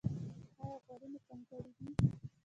ایا غوړي مو کم کړي دي؟